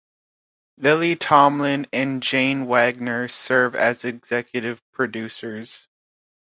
Lily Tomlin and Jane Wagner serve as executive producers.